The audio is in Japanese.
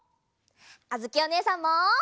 あづきおねえさんも！